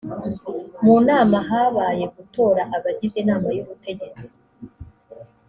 mu nama habaye gutora abagize inama y’ubutegetsi